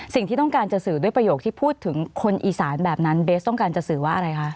สิ่งที่ต้องการจะสื่อด้วยประโยคที่พูดถึงคนอีสานแบบนั้นเบสต้องการจะสื่อว่าอะไรคะ